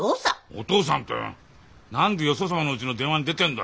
お父さんって何でよそ様のうちの電話に出てんだ？